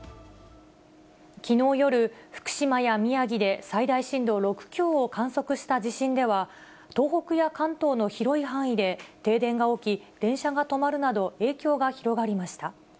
きのう夜、福島や宮城で最大震度６強を観測した地震では、東北や関東の広い範囲で停電が起き、電車が止まるなど、影響が広がりました。